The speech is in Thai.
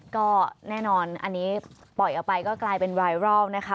ก็แน่นอนอันนี้ปล่อยออกไปก็กลายเป็นไวรัลนะคะ